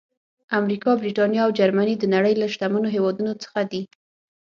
امریکا، برېټانیا او جرمني د نړۍ له شتمنو هېوادونو څخه دي.